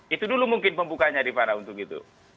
itu dulu mungkin pembukanya di para untuk itu